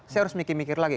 saya harus mikir mikir lagi